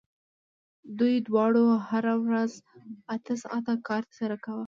دوی دواړو هره ورځ اته ساعته کار ترسره کاوه